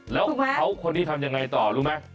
แล้วพ่อคนที่ทำอย่างไรต่อรู้ไหม